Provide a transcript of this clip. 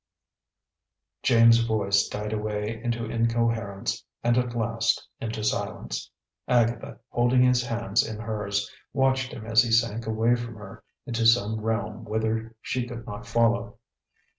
James's voice died away into incoherence and at last into silence. Agatha, holding his hands in hers, watched him as he sank away from her into some realm whither she could not follow.